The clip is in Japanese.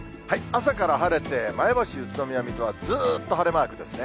朝から晴れて、前橋、宇都宮、水戸はずっと晴れマークですね。